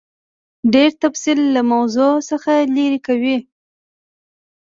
ډېر تفصیل له موضوع څخه لیرې کوي.